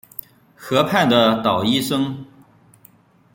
河畔的捣衣声